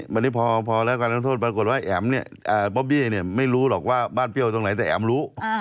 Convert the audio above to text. วันนี้พอแล้วการลงโทษปรากฏว่าแอ๋มเนี่ยบ๊อบบี้เนี่ยไม่รู้หรอกว่าบ้านเปรี้ยวตรงไหนแต่แอ๋มรู้